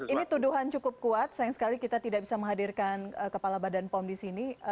ini tuduhan cukup kuat sayang sekali kita tidak bisa menghadirkan kepala badan pom di sini